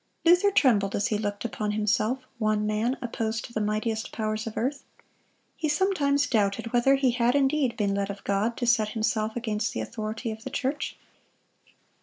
Luther trembled as he looked upon himself—one man opposed to the mightiest powers of earth. He sometimes doubted whether he had indeed been led of God to set himself against the authority of the church.